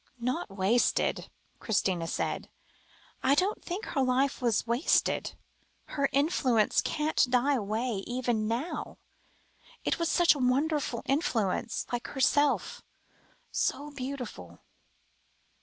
"Not wasted," Christina said; "I don't think her life was wasted. Her influence can't die away, even now. It was such a wonderful influence like herself, so beautiful."